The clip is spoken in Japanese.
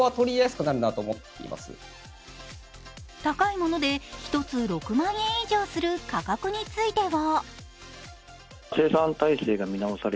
高いもので１つ６万円以上する価格については